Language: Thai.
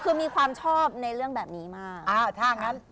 คือมีความชอบในเรื่องแบบนี้มาก